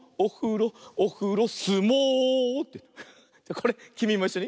これきみもいっしょに。